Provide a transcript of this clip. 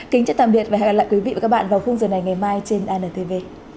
kính chào tạm biệt và hẹn gặp lại quý vị và các bạn vào khung giờ này ngày mai trên antv